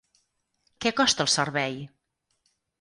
Que costa el servei?